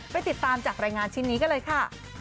ไปติดตามจากรายงานชิ้นนี้กันเลยค่ะ